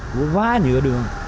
của vá nhựa đường